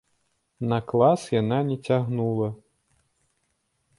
На клас яна не цягнула.